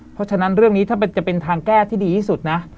เพราะฉะนั้นเรื่องนี้ถ้าจะเป็นทางแก้ที่ดีที่สุดนะ